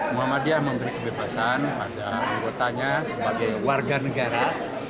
muhammadiyah memberi kebebasan pada anggotanya sebagai warga negara